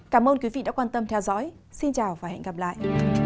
cảm ơn quý vị đã quan tâm theo dõi xin chào và hẹn gặp lại